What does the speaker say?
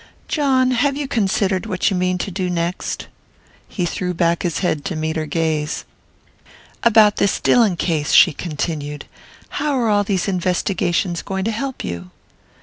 "John, have you considered what you mean to do next?" He threw back his head to meet her gaze. "About this Dillon case," she continued. "How are all these investigations going to help you?"